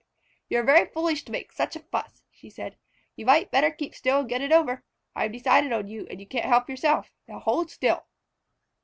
"You are very foolish to make such a fuss," she said. "You might better keep still and get it over. I have decided on you, and you can't help yourself. Now hold still!"